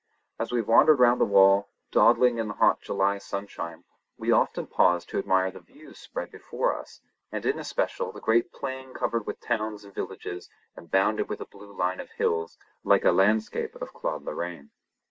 As we wandered round the wall, dawdling in the hot July sunshine, we often paused to admire the views spread before us, and in especial the great plain covered with towns and villages and bounded with a blue line of hills, like a landscape of Claude Lorraine.